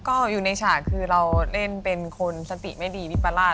ก็อยู่ในฉากคือเราเล่นเป็นคนสติไม่ดีวิปราช